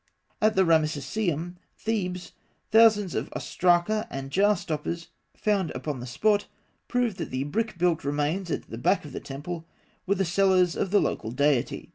At the Ramesseum, Thebes, thousands of ostraka and jar stoppers found upon the spot prove that the brick built remains at the back of the temple were the cellars of the local deity.